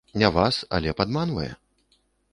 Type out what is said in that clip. Не вас, але падманвае?